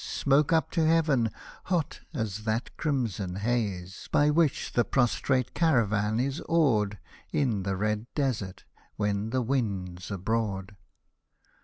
Smoke up to Heaven — hot as that crimson haze By which the prostrate Caravan is aw6d, In the red Desert, when the wind's abroad.